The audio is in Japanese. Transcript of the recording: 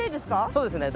そうですね。